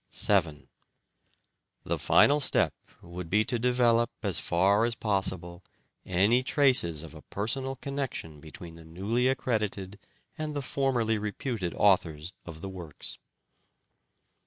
.7. The final step would be to develop as far as possible any traces of a personal connection between the newly accredited and the formerly reputed authors of the works.